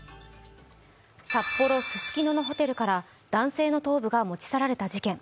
札幌・ススキノのホテルから男性の頭部が持ち去られた事件。